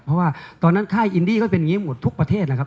เพราะว่าตอนนั้นค่ายอินดี้ก็เป็นอย่างนี้หมดทุกประเทศแล้วครับ